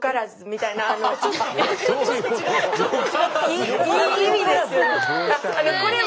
いい意味ですよね？